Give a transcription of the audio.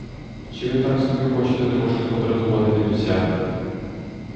Чи ви так собі хочете трошки подратувати дідуся?